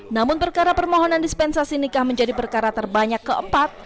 namun perkara permohonan dispensasi nikah menjadi perkara terbanyak keempat